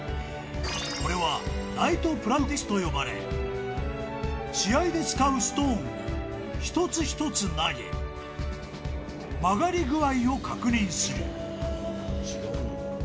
これはナイトプラクティスと呼ばれ、試合で使うストーンを一つ一つ投げ、曲がり具合を確認する。